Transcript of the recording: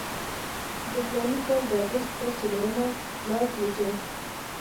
د فلاني کال د اګست پر څوارلسمه لارډ لیټن.